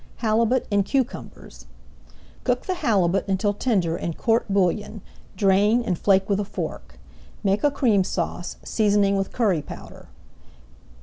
HALIBUT IN CUCUMBERS Cook the halibut until tender in court bouillon, drain, and flake with a fork. Make a Cream Sauce, seasoning with curry powder.